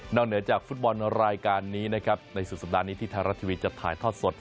เหนือจากฟุตบอลรายการนี้นะครับในสุดสัปดาห์นี้ที่ไทยรัฐทีวีจะถ่ายทอดสด